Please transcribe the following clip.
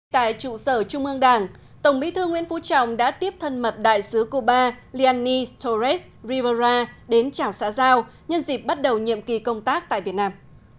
tại trụ sở trung ương đảng tổng bí thư nguyễn phú trọng đã tiếp thân mật đại sứ cuba liani storest rivera đến chào xã giao nhân dịp bắt đầu nhiệm kỳ công tác tại việt nam